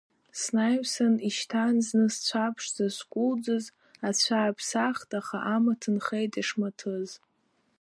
Снаҩсан ишьҭан зны зцәа ԥшӡа зкәылӡыз, ацәа аԥсахт, аха амаҭ нхеит ишмаҭыз.